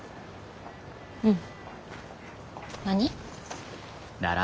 うん。何？